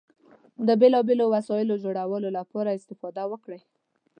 د بېلو بېلو وسایلو جوړولو لپاره استفاده وکړئ.